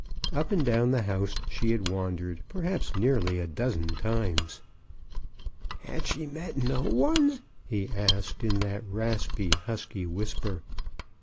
Up and down the house she had wandered, perhaps nearly a dozen times. "Had she met no one? " he asked, in that raspy, husky whisper.